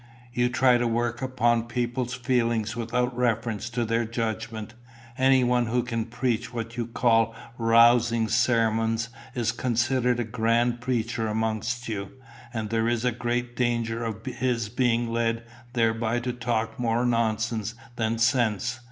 "You try to work upon people's feelings without reference to their judgment. Anyone who can preach what you call rousing sermons is considered a grand preacher amongst you, and there is a great danger of his being led thereby to talk more nonsense than sense.